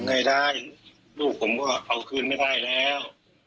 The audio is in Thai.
รายได้ลูกผมก็เอาคืนไม่ได้แล้ว